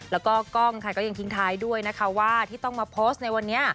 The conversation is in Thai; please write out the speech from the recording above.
แล้วก็กล้องค่ะก็ยังทิ้งท้ายด้วยนะคะว่าที่ต้องมาโพสต์ในวันนี้